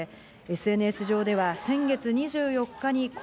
ＳＮＳ上では先月２４日に拘